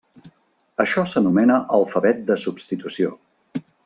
Això s'anomena alfabet de substitució.